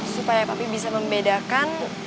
supaya pak pi bisa membedakan